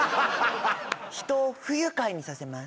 人を不愉快にさせます。